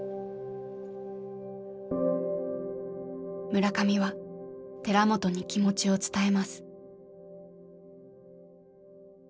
村上は寺本に気持ちを伝えます。